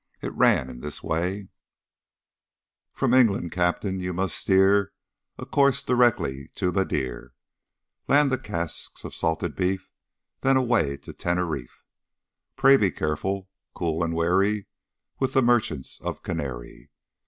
It ran in this way: "From England, Captain, you must steer a Course directly to Madeira, Land the casks of salted beef, Then away to Teneriffe. Pray be careful, cool, and wary With the merchants of Canary.